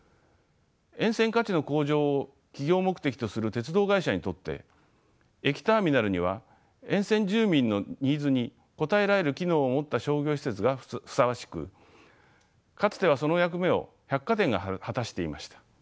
沿線価値の向上を企業目的とする鉄道会社にとって駅ターミナルには沿線住民のニーズに応えられる機能を持った商業施設がふさわしくかつてはその役目を百貨店が果たしていました。